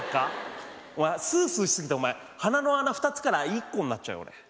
スースーしすぎてお前鼻の穴２つから１個になっちゃうよ俺。